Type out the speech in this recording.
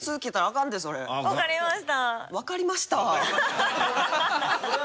わかりました。